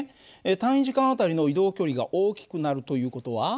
単位時間あたりの移動距離が大きくなるという事は？